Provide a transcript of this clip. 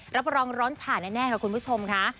รับรองร้อนฉ่าแน่ค่ะคุณผู้ชมค่ะ